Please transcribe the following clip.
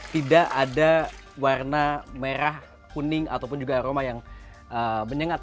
tidak ada warna merah kuning ataupun juga aroma yang menyengat